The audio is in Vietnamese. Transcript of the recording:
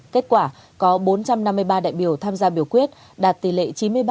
kết quả có bốn trăm năm mươi ba đại biểu tham gia biểu quyết đạt tỷ lệ chín mươi ba bảy mươi chín